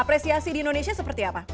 apresiasi di indonesia seperti apa